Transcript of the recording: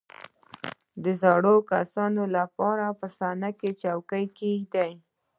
• د زړو کسانو لپاره په صحنه کې څوکۍ کښېږده.